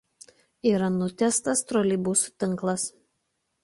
Yra nutiestas troleibusų tinklas.